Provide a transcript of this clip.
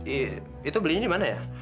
eee itu belinya dimana ya